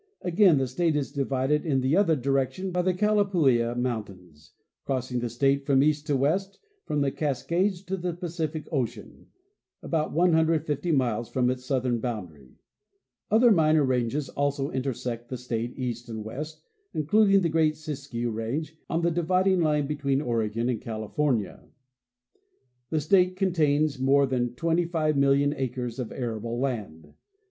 Again, the state is divided in the other direction by the Cala pooia mountains, crossing the state from east to west, from the The great Ranges and Peaks 271 Cascades to the Pacific ocean, about 150 miles from its southern boundary. Other minor ranges also intersect the state east and west, including the great Siskiyou range on the dividing line between Oregon and California. The state contains more than 25,000,000 acres of arable land.